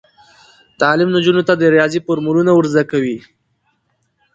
تعلیم نجونو ته د ریاضي فورمولونه ور زده کوي.